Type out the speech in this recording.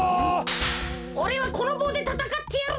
おれはこのぼうでたたかってやるぜ！